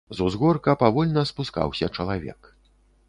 З узгорка павольна спускаўся чалавек.